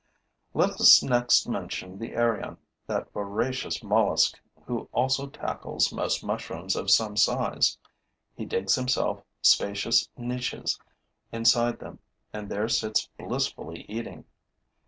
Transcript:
Let us next mention the arion, that voracious mollusk who also tackles most mushrooms of some size. He digs himself spacious niches inside them and there sits blissfully eating.